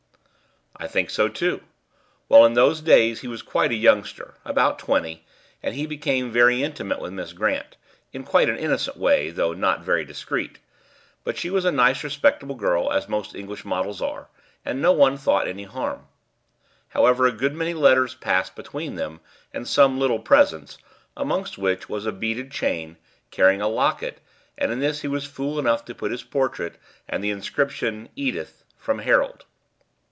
"I think so, too. Well, in those days he was quite a youngster about twenty and he became very intimate with Miss Grant, in quite an innocent way, though not very discreet; but she was a nice respectable girl, as most English models are, and no one thought any harm. However, a good many letters passed between them, and some little presents, amongst which was a beaded chain carrying a locket, and in this he was fool enough to put his portrait and the inscription, 'Edith, from Harold.'